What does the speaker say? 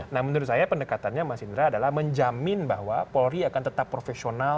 nah menurut saya pendekatannya mas indra adalah menjamin bahwa polri akan tetap profesional